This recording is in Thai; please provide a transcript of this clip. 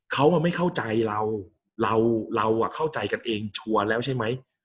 เขาไม่เข้าใจเราเราเข้าใจกันเองชัวร์แล้วใช่ไหม